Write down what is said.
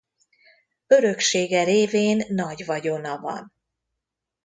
Öröksége révén nagy vagyona van.